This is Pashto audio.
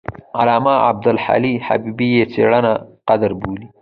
علامه عبدالحي حبیبي یې څېړنه قدر بولي.